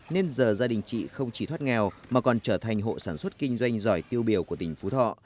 nên giờ gia đình chị không chỉ thoát nghèo mà còn trở thành hộ sản xuất kinh doanh giỏi tiêu biểu của tỉnh phú thọ